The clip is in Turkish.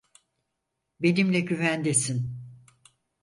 Benimle güvendesin.